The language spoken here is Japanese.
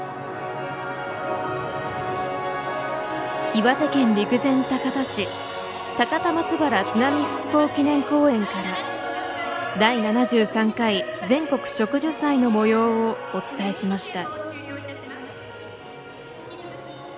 岩手県陸前高田市高田松原津波復興祈念公園から第７３回全国植樹祭の模様をお伝えしました。